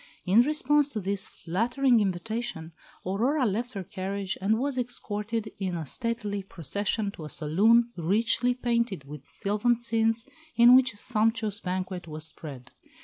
In response to this flattering invitation Aurora left her carriage and was escorted in stately procession to a saloon, richly painted with sylvan scenes, in which a sumptuous banquet was spread.